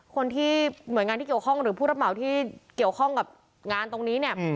คนที่หน่วยงานที่เกี่ยวข้องหรือผู้รับเหมาที่เกี่ยวข้องกับงานตรงนี้เนี่ย